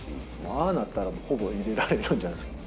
ああなったら、ほぼ入れられるんじゃないですか。